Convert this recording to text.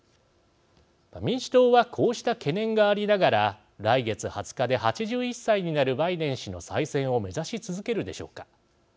民主党はこうした懸念がありながら来月２０日で８１歳になるバイデン氏の再選を目指し続けるでしょうか。